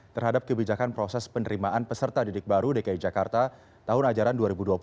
terhadap kebijakan proses penerimaan peserta didik baru dki jakarta tahun ajaran dua ribu dua puluh satu